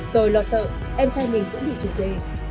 tôi lo sợ em trai mình cũng bị rủ dê